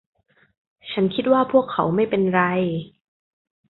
ฉันคิดว่าพวกเขาไม่เป็นไร